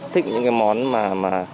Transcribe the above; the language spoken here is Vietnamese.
thích những món mà